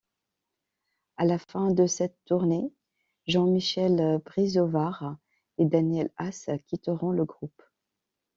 À la fin de cette tournée, Jean-Michel Brézovar et Daniel Haas quitteront le groupe.